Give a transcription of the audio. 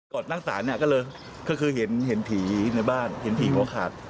ก่อนตั้งสารก็เลยเห็นผีในบ้านเห็นผีหัวขาด